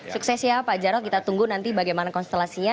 sukses ya pak jarod kita tunggu nanti bagaimana konstelasinya